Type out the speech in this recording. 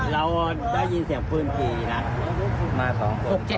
เราได้ยินเสียงปืนกี่นัด